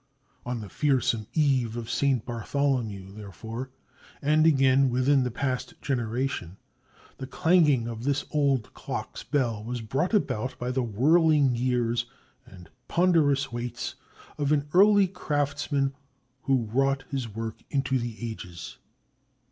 On the fearsome eve of St. Bartholomew, therefore, and again within the past generation, the clanging of this old clock's bell was brought about by the whirling gears and ponderous weights of an early craftsman who wrought his work into the ages.